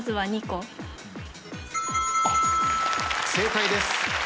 正解です。